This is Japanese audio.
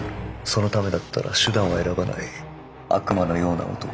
そのためだったら手段を選ばない悪魔のような男。